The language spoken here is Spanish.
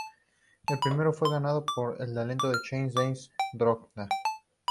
El premio fue ganado por el delantero del Chelsea, Didier Drogba.